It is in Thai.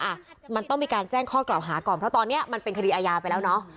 อ่ะมันต้องมีการแจ้งข้อกล่าวหาก่อนเพราะตอนนี้มันเป็นคดีอาญาไปแล้วเนอะ